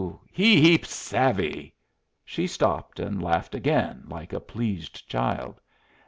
He heap savvy." She stopped, and laughed again, like a pleased child.